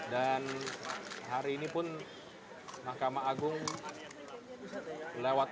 dan hari ini pun mahkamah agung lewat